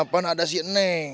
pan ada si neng